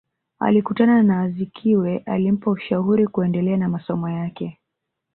Alikutana na Azikiwe alimpa ushauri kuendelea na masomo yake